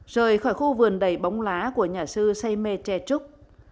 rời khỏi khu vườn đầy bóng lá của nhà sư say mê tre trúc